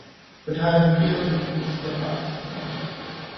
But I have a feeling that it will slip up somewhere.